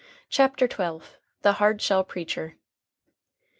] CHAPTER XII. THE HARDSHELL PREACHER.